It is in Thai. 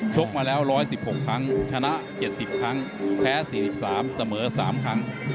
กมาแล้ว๑๑๖ครั้งชนะ๗๐ครั้งแพ้๔๓เสมอ๓ครั้ง